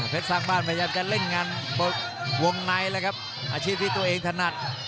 สร้างบ้านพยายามจะเล่นงานวงในแล้วครับอาชีพที่ตัวเองถนัด